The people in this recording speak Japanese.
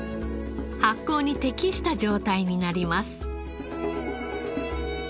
発酵に適した状態になります。